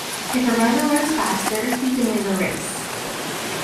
If a runner runs faster, he can win the race.